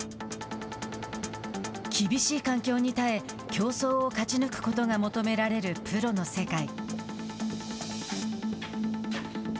厳しい環境に耐え競争を勝ち抜くことが求められるプロの世界。